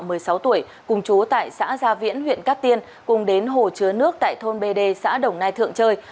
họ một mươi sáu tuổi cùng chú tại xã gia viễn huyện cát tiên cùng đến hồ chứa nước tại thôn bd xã đồng nai thượng chơi